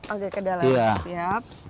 agak ke dalam siap